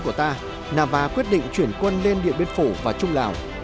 hướng tiến của ta nava quyết định chuyển quân lên điện biên phủ và trung lào